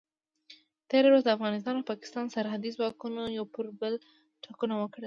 تېره ورځ د افغانستان او پاکستان سرحدي ځواکونو یو پر بل ټکونه وکړل.